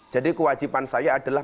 jadi kewajiban saya adalah